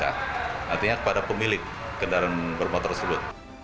artinya kepada pemilik kendaraan bermotor tersebut